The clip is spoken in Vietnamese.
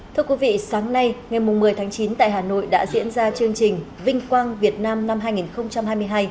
thưa quý vị sáng nay ngày một mươi tháng chín tại hà nội đã diễn ra chương trình vinh quang việt nam năm hai nghìn hai mươi hai